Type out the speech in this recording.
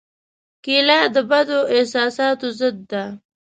کېله د بدو احساساتو ضد ده.